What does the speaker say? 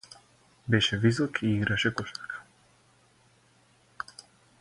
Беше висок и играше кошарка.